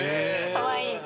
かわいい。